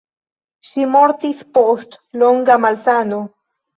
Ŝi mortis post longa malsano.